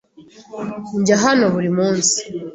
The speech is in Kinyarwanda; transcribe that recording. Ndya hano buri munsi.